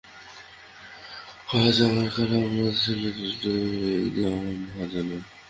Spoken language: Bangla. ও আজ আমার, কাল আমার ছেলের, আর-একদিন আমার মহাজনের।